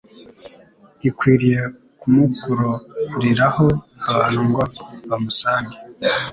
gikwiriye kumukururiraho abantu ngo bamusange.